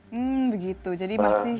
hmm begitu jadi masih